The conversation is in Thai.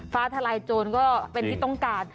ทลายโจรก็เป็นที่ต้องการ